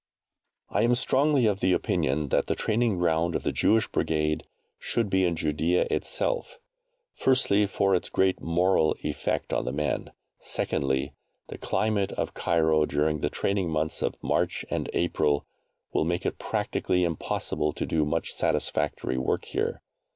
I am strongly of the opinion that the training ground of the Jewish Brigade should be in Judæa itself, firstly for its great moral effect on the men; secondly, the climate of Cairo during the training months of March and April will make it practically impossible to do much satisfactory work here.